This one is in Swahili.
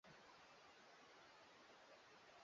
epata magavana ishirini na saba wakati democrat